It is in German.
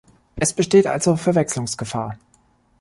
Es besteht also Verwechslungsgefahr.